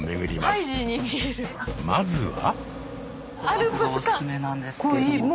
まずは。